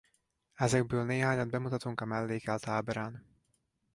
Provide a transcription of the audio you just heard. Ezekből néhányat bemutatunk a mellékelt ábrán.